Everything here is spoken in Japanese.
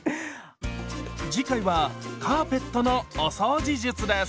次回はカーペットのお掃除術です。